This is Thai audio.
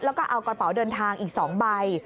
แล้วก็เอากระเป๋าเดินทางอีก๒ใบ